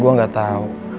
gue gak tau